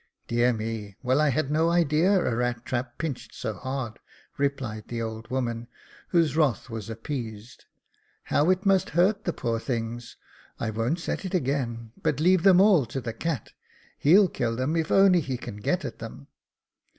"Dear me! well I'd no idea that a rat trap pinched so hard," replied the old woman, whose wrath was appeased. " How it must hurt the poor things — I won't set it again, but leave them all to the cat ; he'll kill them, if he only can get at them."